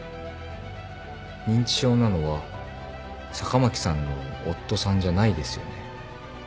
認知症なのは坂巻さんの夫さんじゃないですよね。